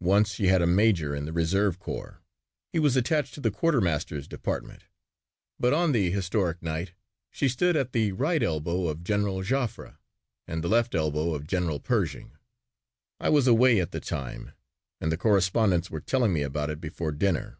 Once she had a major in the reserve corps. He was attached to the quartermaster's department. But on the historic night she stood at the right elbow of General Joffre and the left elbow of General Pershing. I was away at the time and the correspondents were telling me about it before dinner.